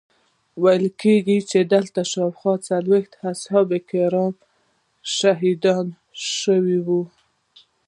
ویل کیږي چې دلته شاوخوا څلویښت صحابه کرام شهیدان شوي.